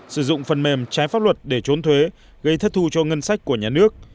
sử dụng phần mềm trái pháp luật để trốn thuế gây thất thu cho ngân sách của nhà nước